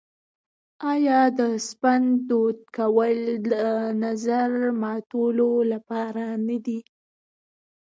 آیا د سپند دود کول د نظر ماتولو لپاره نه وي؟